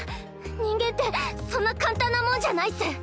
人間ってそんな簡単なもんじゃないっス。